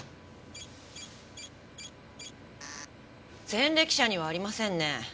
前歴者にはありませんね。